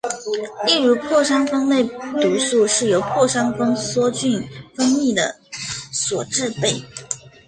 例如破伤风类毒素是由破伤风梭菌分泌的所制备。